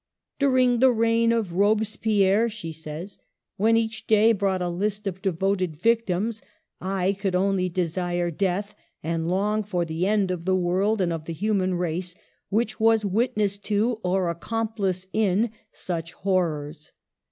" During the reign of Robespierre/ ' she says, " when each day brought a list of devoted vie* tims, I could only desire death, and long for the end of the world and of the human race which was witness to, or accomplice in, such horrors.